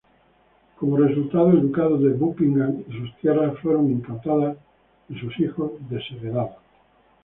Como resultado, el ducado Buckingham y su tierras fueron incautadas, y sus hijos desheredados.